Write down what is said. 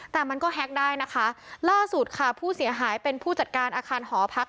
แต่มันก็แฮ็กได้นะคะล่าสุดค่ะผู้เสียหายเป็นผู้จัดการอาคารหอพัก